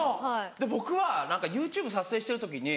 僕はＹｏｕＴｕｂｅ撮影してる時に。